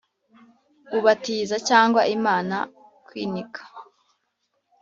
ubatiza cyangwa imana? kwinikwa?